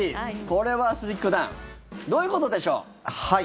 これは鈴木九段どういうことでしょう？